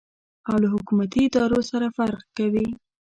او له حکومتي ادارو سره فرق کوي.